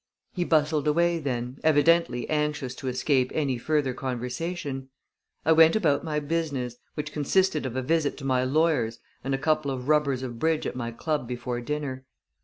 He bustled away then, evidently anxious to escape any further conversation. I went about my business, which consisted of a visit to my lawyer's and a couple of rubbers of bridge at my club before dinner.